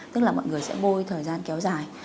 tức là mọi người sẽ bôi thời gian kéo dài